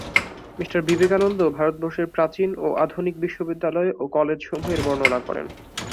Me Vivekananda ভারতবর্ষের প্রাচীন ও আধুনিক বিশ্ববিদ্যালয় ও কলেজসমূহের বর্ণনা করেন।